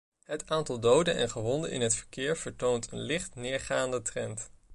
Het aantal doden en gewonden in het verkeer vertoont een licht neergaande trend.